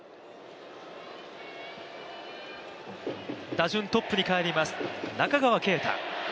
打順トップに帰ります、中川圭太。